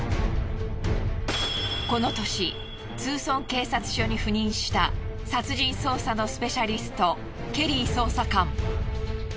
この年ツーソン警察署に赴任した殺人捜査のスペシャリストケリー捜査官。